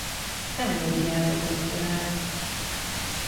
Teológiából doktorált.